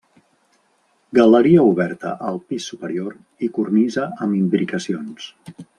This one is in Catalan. Galeria oberta al pis superior i cornisa amb imbricacions.